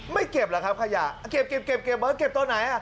ไม่เก็บหรือครับขยะเก็บเก็บเก็บตัวไหน